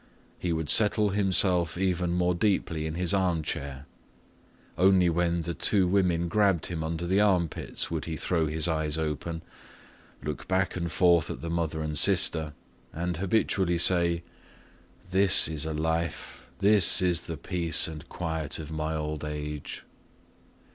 He would settle himself even more deeply in his arm chair. Only when the two women grabbed him under the armpits would he throw his eyes open, look back and forth at the mother and sister, and habitually say "This is a life. This is the peace and quiet of my old age."